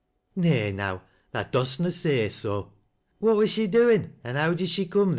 " Nay now, tha dost na say so ? What wor she doin' aa how did she come thcer?